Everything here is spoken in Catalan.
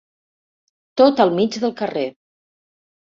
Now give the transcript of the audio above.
Tot al mig del carrer.